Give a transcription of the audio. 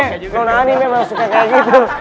kalo nani memang suka gitu